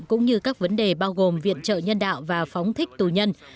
cũng như các vấn đề bao gồm viện trợ nhân đạo và phóng thích tù nhân